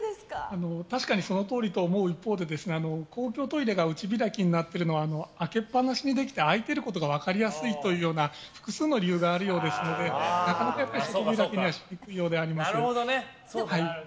確かにそのとおりと思う一方で公共トイレが内開きになっているのは開けっ放しにできて空いてることが分かりやすいという複数の理由があるようですのでなかなかそのようにはしにくいようです。